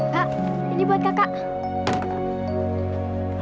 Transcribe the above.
kak ini buat kakak